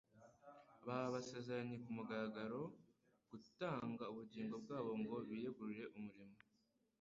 Baba basezeranye ku mugaragaro gutanga ubugingo bwabo ngo biyegurire umurimo